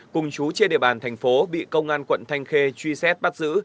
cùng chú trên địa bàn thành phố bị công an quận thanh khê truy xét bắt giữ